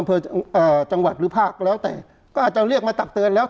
อำเภอเอ่อจังหวัดหรือภาคแล้วแต่ก็อาจจะเรียกมาตักเตือนแล้ว